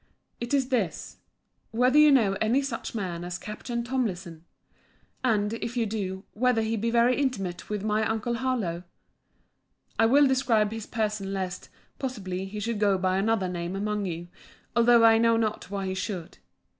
It is this: Whether you know any such man as Captain Tomlinson? and, if you do, whether he be very intimate with my uncle Harlowe? I will describe his person lest, possibly, he should go by another name among you; although I know not why he should.